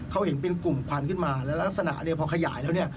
เขาเห็นเป็นกลุ่มควันขึ้นมาแล้วลักษณะเนี่ยพอขยายแล้วเนี่ย